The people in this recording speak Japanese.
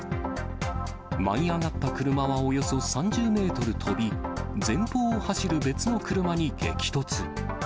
舞い上がった車はおよそ３０メートル飛び、前方を走る別の車に激突。